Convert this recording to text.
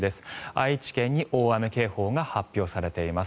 愛知県に大雨警報が発表されています。